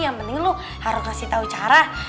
yang penting lo harus kasih tau cara